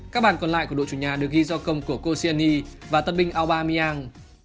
các bàn còn lại của đội chủ nhà được ghi do công của koscielny và tân binh aubameyang